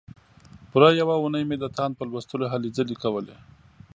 پوره یوه اونۍ مې د تاند په لوستلو هلې ځلې کولې.